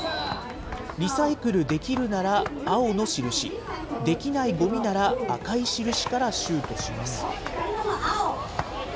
リサイクルできるなら青の印、できないごみなら赤い印からシュートします。